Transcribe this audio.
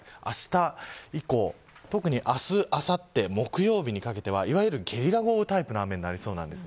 あした以降特に明日、あさって木曜日にかけてはいわゆるゲリラ豪雨タイプの雨になりそうなんです。